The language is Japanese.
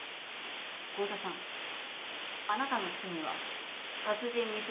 合田さんあなたの罪は殺人未遂罪です。